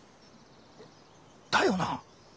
だよな？